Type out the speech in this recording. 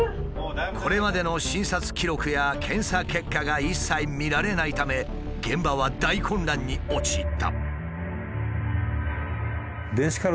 これまでの診察記録や検査結果が一切見られないため現場は大混乱に陥った。